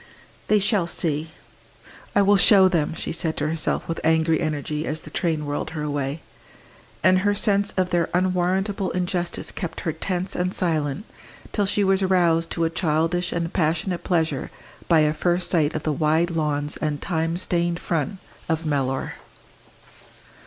"They shall see I will show them!" she said to herself with angry energy, as the train whirled her away. And her sense of their unwarrantable injustice kept her tense and silent till she was roused to a childish and passionate pleasure by a first sight of the wide lawns and time stained front of Mellor.